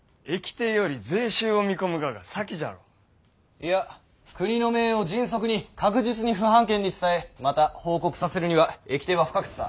いや国の命を迅速に確実に府藩県に伝えまた報告させるには駅逓は不可欠だ。